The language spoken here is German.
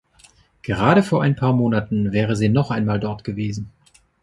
Gerade vor ein paar Monaten wäre sie noch einmal dort gewesen.